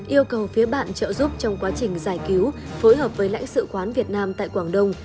yêu cầu phía bạn trợ giúp trong quá trình giải cứu phối hợp với lãnh sự quán việt nam tại quảng đông